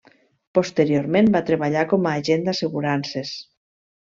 Posteriorment va treballar com a agent d'assegurances.